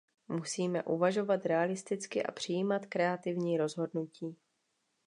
Musíme uvažovat realisticky a přijímat kreativní rozhodnutí.